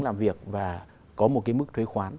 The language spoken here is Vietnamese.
làm việc và có một cái mức thuế khoán